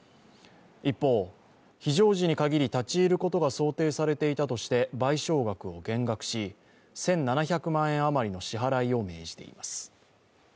一方、非常時に限り立ち入ることが想定されていたとして賠償額を減額し、１７００万円余りの支払いを命じています。